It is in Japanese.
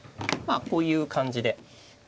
こういう感じで。